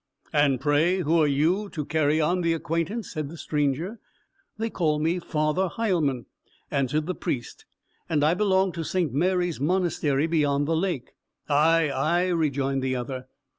"And pray who are you, to carry on the acquaintance?" said the stranger. "They call me Father Heilmann," answered the Priest, "and I belong to St. Mary's monastery, beyond the lake." "Ay, ay!" rejoined the other.